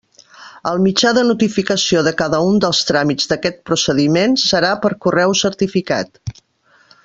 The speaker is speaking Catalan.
El mitjà de notificació de cada un dels tràmits d'aquest procediment serà per correu certificat.